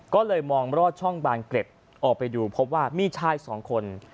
ก็เลยมองรอดช่องบานเกร็ดออกไปดูพบว่ามีชายสองคน